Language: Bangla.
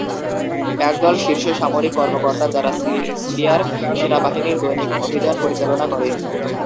একদল শীর্ষ সামরিক কর্মকর্তা যারা সিরিয়ার সেনাবাহিনীর দৈনিক অভিযান পরিচালনা করে।